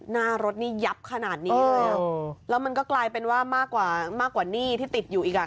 นารถนี่ยับขนาดนี้เลยหรอแล้วมันก็กลายเป็นว่ามากกว่านี่ที่ติดอยู่อีกอ่ะ